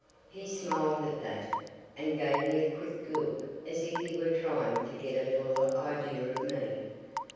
He smiled at that, and gave me a quick look as if he were trying to get a fuller idea of me.